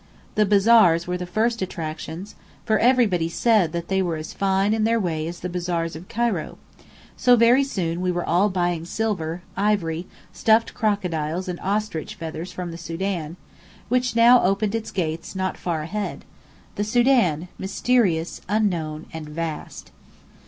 The bazaars were the first attractions, for "everybody said" that they were as fine in their way as the bazaars of Cairo; so very soon we were all buying silver, ivory, stuffed crocodiles and ostrich feathers from the Sudan, which now opened its gates not far ahead: the Sudan, mysterious, unknown, and vast.